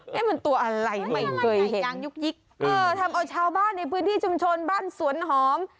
มันตัวอะไรใหม่ยางยุกยิกเออทำเอาชาวบ้านในพื้นที่ชุมชนบ้านสวนหอม